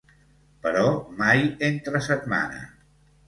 Però mai entre setmana.